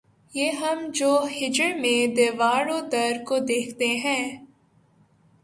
یہ ہم جو ہجر میں دیوار و در کو دیکھتے ہیں